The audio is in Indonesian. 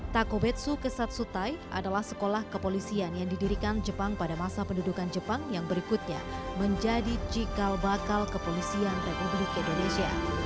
takobetsu ke satsutai adalah sekolah kepolisian yang didirikan jepang pada masa pendudukan jepang yang berikutnya menjadi cikal bakal kepolisian republik indonesia